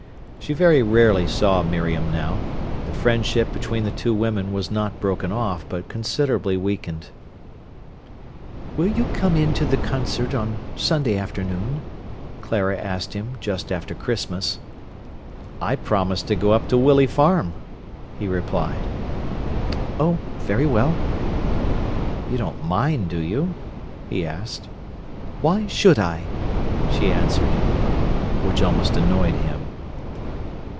She very rarely saw Miriam now. The friendship between the two women was not broken off, but considerably weakened. "Will you come in to the concert on Sunday afternoon?" Clara asked him just after Christmas. "I promised to go up to Willey Farm," he replied. "Oh, very well." "You don't mind, do you?" he asked. "Why should I?" she answered. Which almost annoyed him.